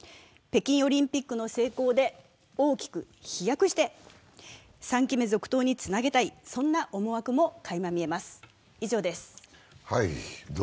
北京オリンピックの成功で大きく飛躍して、３期目続投につなげたいそんな思惑もかいま見えます。